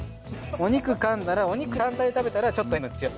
お肉かんだらお肉単体で食べたらちょっと塩分強い。